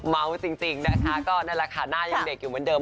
จริงนะคะก็นั่นแหละค่ะหน้ายังเด็กอยู่เหมือนเดิม